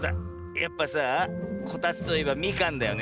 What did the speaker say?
やっぱさあこたつといえばみかんだよね。